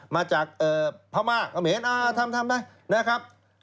มาจากพม่าเขมรทำไปนะครับ